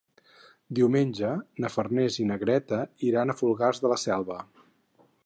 Diumenge na Farners i na Greta iran a Fogars de la Selva.